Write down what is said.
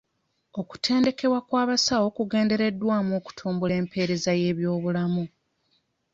Okutendekebwa kw'abasawo kugendereddwamu kutumbula mpeerezay'ebyobulamu.